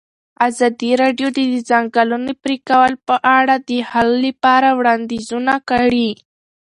ازادي راډیو د د ځنګلونو پرېکول په اړه د حل کولو لپاره وړاندیزونه کړي.